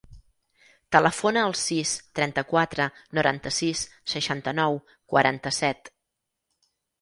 Telefona al sis, trenta-quatre, noranta-sis, seixanta-nou, quaranta-set.